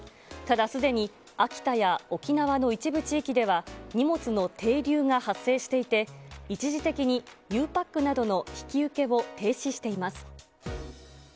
ただすでに、秋田や沖縄の一部地域では、荷物の停留が発生していて、一時的にゆうパックなどの引き受けを停止しています。